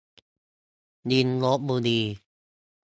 ลิงลพบุรี